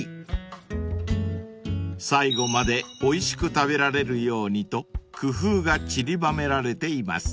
［最後までおいしく食べられるようにと工夫がちりばめられています］